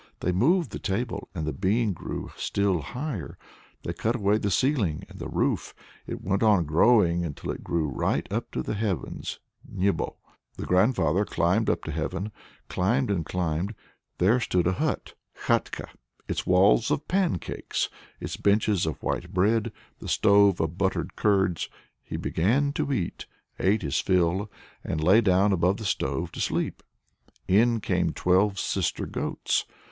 They moved the table, and the bean grew still higher. They cut away the ceiling and the roof; it went on growing until it grew right up to the heavens (nebo). The grandfather climbed up to heaven, climbed and climbed there stood a hut (khatka), its walls of pancakes, its benches of white bread, the stove of buttered curds. He began to eat, ate his fill, and lay down above the stove to sleep. In came twelve sister goats.